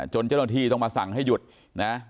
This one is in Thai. เจ้าหน้าที่ต้องมาสั่งให้หยุดนะ